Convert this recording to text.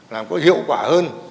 làm có hiệu quả hơn